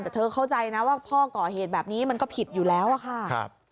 แต่เธอเข้าใจนะว่าพ่อก่อเหตุแบบนี้มันก็ผิดอยู่แล้วอะค่ะ